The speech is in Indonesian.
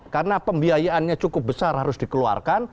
karena pembiayaannya cukup besar harus dikeluarkan